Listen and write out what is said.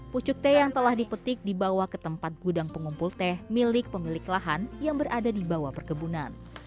pucuk teh yang telah dipetik dibawa ke tempat gudang pengumpul teh milik pemilik lahan yang berada di bawah perkebunan